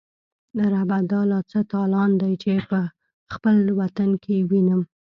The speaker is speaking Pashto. ربه دا لا څه تالان دی، چی به خپل وطن یې وینم